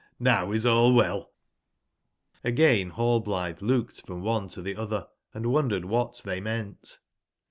JSowisall weir'j^Hgain Rallblitbe looked from one to tbe otber and wondered wbat tbey meant.